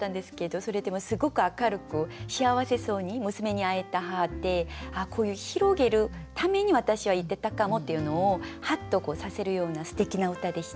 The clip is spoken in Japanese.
それでもすごく明るく幸せそうに娘に会えた母ってああこういう広げるために私は行ってたかもっていうのをハッとさせるようなすてきな歌でした。